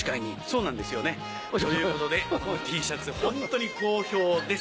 そうなんですよねということでこのＴシャツホントに好評です。